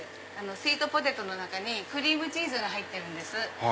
スイートポテトの中にクリームチーズが入ってるんです。